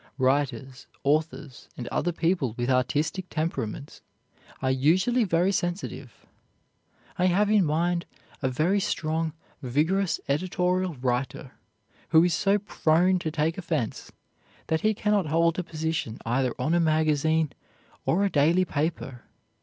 Writers, authors, and other people with artistic temperaments, are usually very sensitive. I have in mind a very strong, vigorous editorial writer who is so prone to take offense that he can not hold a position either on a magazine or a daily paper.